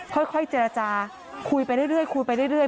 ค่อยเจรจาคุยไปเรื่อย